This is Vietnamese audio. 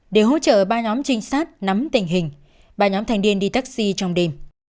để hỗ trợ ba nhóm trinh sát nắm tình hình ba nhóm thanh niên đi taxi trong đêm